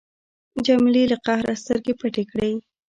جمیلې له قهره سترګې پټې کړې.